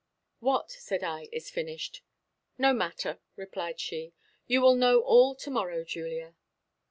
"What," said I, "is finished?" "No matter," replied she; "you will know all to morrow, Julia."